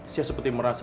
saya seperti merasa